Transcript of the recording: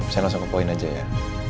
saya langsung ke poin aja ya